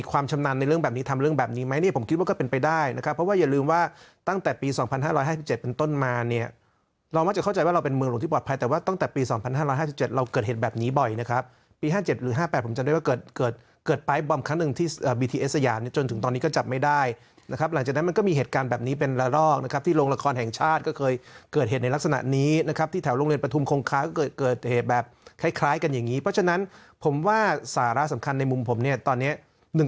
ปลายบอมครั้งหนึ่งที่บีทีเอสสยานจนถึงตอนนี้ก็จับไม่ได้นะครับหลังจากนั้นมันก็มีเหตุการณ์แบบนี้เป็นละลอกนะครับที่โรงละครแห่งชาติก็เคยเกิดเหตุในลักษณะนี้นะครับที่แถวโรงเรียนประทุมคงค้าก็เกิดเกิดเหตุแบบคล้ายคล้ายกันอย่างงี้เพราะฉะนั้นผมว่าสาระสำคัญในมุมผมเนี่ยตอนเนี้ยหนึ